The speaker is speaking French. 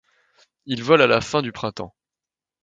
Il vole à la fin du printemps.